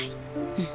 うん。